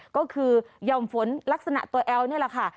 ก็คือหย่อมฝนลักษณะตัวแอลนี่แหละค่ะ